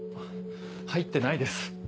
入ってないです。